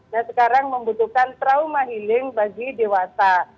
nah sekarang membutuhkan trauma healing bagi dewasa